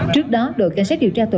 trước đó đội cảnh sát điều tra tội